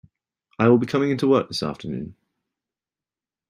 I will be coming into work this afternoon.